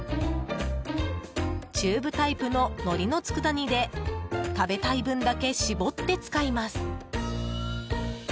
チューブタイプののりのつくだ煮で食べたい分だけ絞って使います。